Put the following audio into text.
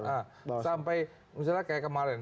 nah sampai misalnya kayak kemarin